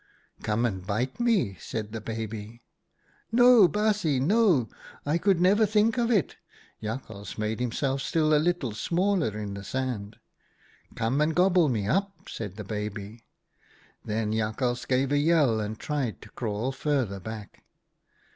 '"' Come and bite me,' said the baby. 14 * No, baasje, no, I could never think of it.' Jakhals made himself still a little smaller in the sand. "' Come and gobble me up,' said the baby. " Then Jakhals gave a yell and tried to crawl further back.